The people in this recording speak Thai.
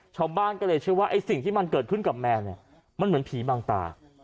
ชาวบ้านก็เลยเชื่อว่าไอ้สิ่งที่มันเกิดขึ้นกับแมวเนี่ยมันเหมือนผีบางตา